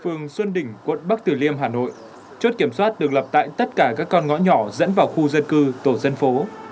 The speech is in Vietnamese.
phường xuân đỉnh quận bắc tử liêm hà nội chốt kiểm soát được lập tại tất cả các con ngõ nhỏ dẫn vào khu dân cư tổ dân phố